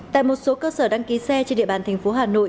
tại một số cơ sở đăng ký xe trên địa bàn thành phố hà nội